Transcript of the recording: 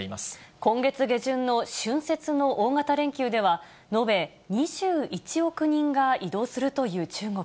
今月下旬の春節の大型連休では、延べ２１億人が移動するという中国。